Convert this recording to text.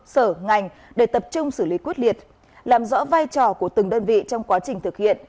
sở ngành để tập trung xử lý quyết liệt làm rõ vai trò của từng đơn vị trong quá trình thực hiện